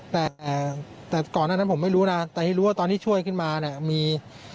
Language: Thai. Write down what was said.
แต่ก่อนหน้านั้นผมไม่รู้นะแต่ให้รู้ว่าตอนที่ช่วยขึ้นมาเนี่ยมี